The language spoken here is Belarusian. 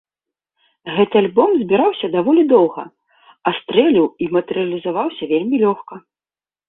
Гэты альбом збіраўся даволі доўга, а стрэліў і матэрыялізаваўся вельмі лёгка.